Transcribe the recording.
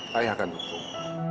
saya akan dukung